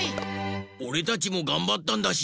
おれたちもがんばったんだし。